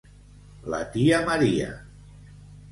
La tia Maria.